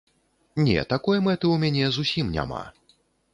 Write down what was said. Не, такой мэты ў мяне зусім няма.